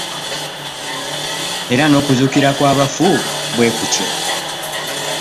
Era n'okuzuukira kw'abafu bwe kutyo.